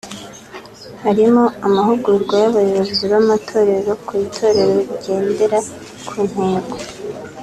harimo amahugurwa y’abayobozi b’amatorero ku itorero rigendera ku ntego